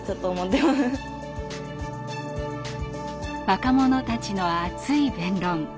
若者たちの熱い弁論。